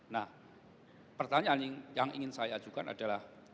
nah pertanyaan yang ingin saya ajukan adalah